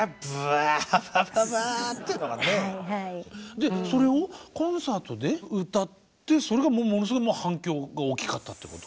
でそれをコンサートで歌ってそれがものすごい反響が大きかったっていうこと？